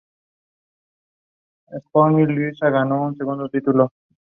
The University of Queensland won over University of the Sunshine Coast.